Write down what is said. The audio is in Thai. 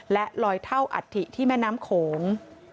และลอยเท่าอัฐิที่แม่น้ำโขง